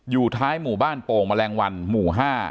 อยู่ท้ายหมู่บ้านโป่งแมลงวันหมู่๕